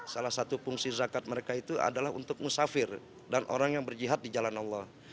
salah satu fungsi zakat mereka itu adalah untuk musafir dan orang yang berjihad di jalan allah